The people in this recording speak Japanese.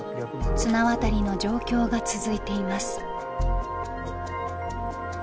綱渡りの状況が続いています。